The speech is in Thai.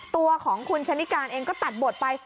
ตัวของคุณชะนิการเองก็ตัดบทไป